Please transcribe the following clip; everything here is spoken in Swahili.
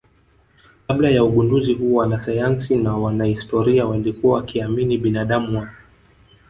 Kabla ya ugunduzi huo wanasayansi na wanahistoria walikuwa wakiamini binadamu wa